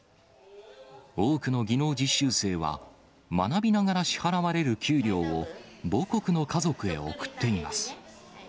多くの技能実習生は、学びながら支払われる給料を、母国の家族へ送っています。